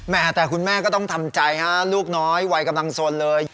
แต่คุณแม่ก็ต้องทำใจฮะลูกน้อยวัยกำลังสนเลย